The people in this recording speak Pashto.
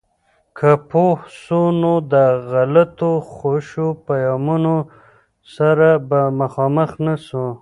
که پوه سو، نو د غلطو خوشو پیغامونو سره به مخامخ نسو.